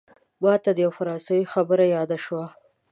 ماته د یوه فرانسوي خبره یاده شوه.